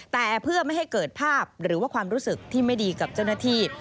แต่เพื่อไม่ให้เกิดภาพหรือว่าความรู้สึกที่ไม่ดีกับเจ้าหน้าที่